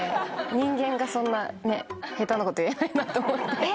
人間がそんな下手なこと言えないなと思って。